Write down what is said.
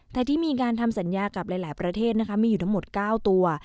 แต่ที่มีการทำสัญญากับหลายประเทศนะคะมีอยู่ทั้งหมด๙ตัว